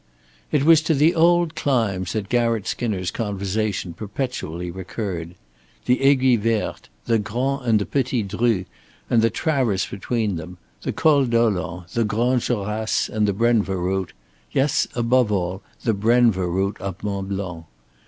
It was to the old climbs that Garratt Skinner's conversation perpetually recurred the Aiguille Verte, the Grand and the Petit Dru and the traverse between them, the Col Dolent, the Grandes Jorasses and the Brenva route yes, above all, the Brenva route up Mont Blanc.